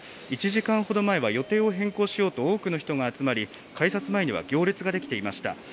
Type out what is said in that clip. １時間ほど前は予定を変更しようと、多くの人が集まり、改札前には行列が出来ていました。